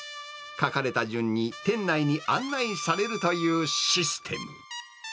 書かれた順に店内に案内されるというシステム。